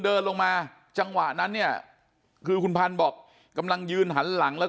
เดินลงมาจังหวะนั้นเนี่ยคือคุณพันธุ์บอกกำลังยืนหันหลังแล้ว